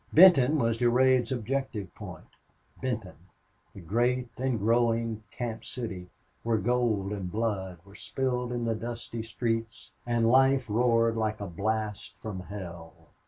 Benton was Durade's objective point Benton, the great and growing camp city, where gold and blood were spilled in the dusty streets and life roared like a blast from hell.